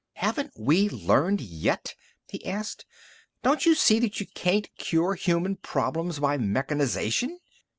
"Haven't we learned yet?" he asked. "Don't you see that you can't cure human problems by mechanization?"